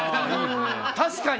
確かに！